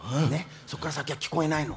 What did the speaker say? そこから先が聞こえないの。